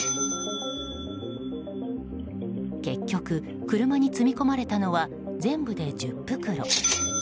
結局、車に積み込まれたのは全部で１０袋。